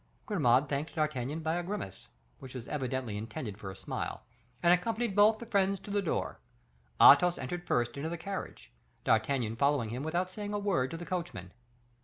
Grimaud thanked D'Artagnan by a grimace, which was evidently intended for a smile, and accompanied both the friends to the door. Athos entered first into the carriage; D'Artagnan followed him without saying a word to the coachman.